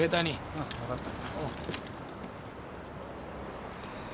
うん分かった。